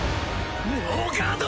ノーガード！